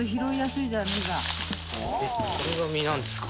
これが実なんですか。